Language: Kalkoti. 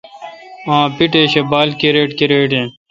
اں پیٹش اے°بال کرِٹ کرِٹ این